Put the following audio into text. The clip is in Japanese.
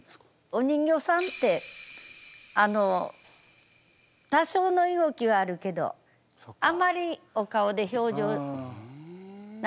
お人形さんって多少の動きはあるけどあまりお顔で表情なさらない。